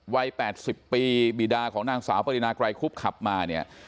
วัย๘๐ปีบีดาของนางสาวบรินาคีย์ไกรครุปขับมา